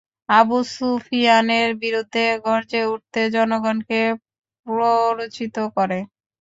আবু সুফিয়ানের বিরুদ্ধে গর্জে উঠতে জনগণকে প্ররোচিত করে।